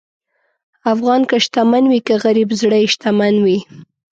افغان که شتمن وي که غریب، زړه یې شتمن وي.